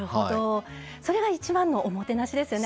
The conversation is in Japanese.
それが一番のおもてなしですよね。